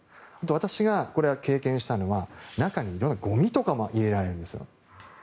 私が経験したのは中にいろいろごみとかも入れられるんですよ。